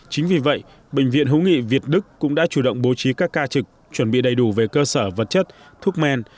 chính vì vậy bệnh viện hữu nghị việt đức cũng đã chủ động bố trí các ca trực chuẩn bị đầy đủ về cơ sở vật chất thuốc men